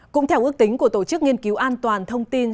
cũng theo ước tính của tổ chức nghiên cứu an toàn thông tin